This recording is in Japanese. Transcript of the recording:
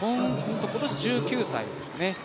今年１９歳ですね。